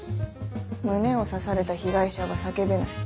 胸を刺された被害者は叫べない。